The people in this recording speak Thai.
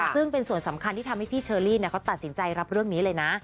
ซึ่งเป็นส่วนสำคัญที่ทำให้พี่เชอรี่เขาตัดสินใจรับเรื่องนี้เลยนะ